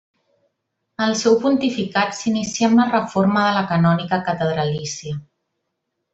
El seu pontificat s'inicià amb la reforma de la canònica catedralícia.